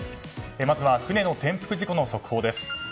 まずは船の転覆事故の速報です。